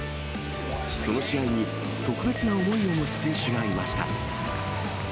その試合に、特別な思いを持つ選手がいました。